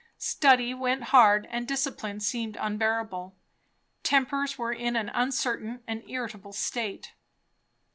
Study went hard, and discipline seemed unbearable; tempers were in an uncertain and irritable state.